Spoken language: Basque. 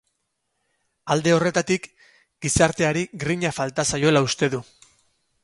Alde horretatik, gizarteari grina falta zaiola uste du.